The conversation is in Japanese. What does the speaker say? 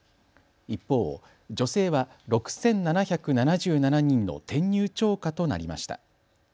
一方、女性は６７７７人の転入超過となりました。